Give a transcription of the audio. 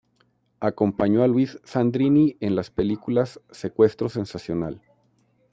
Acompañó a Luis Sandrini en las películas "Secuestro sensacional!!!